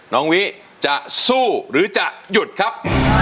น้องวิจะสู้หรือจะหยุดครับ